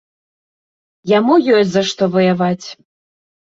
Яму ёсць за што ваяваць.